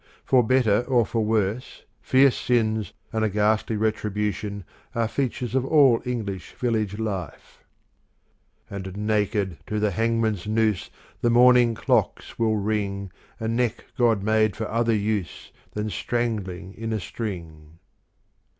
For better or for worse fierce sins and a ghastly retribution are features of all English village life: And naked to the hangman's noose The morning clocks will ring A neck God made for other use Than strangling in a string.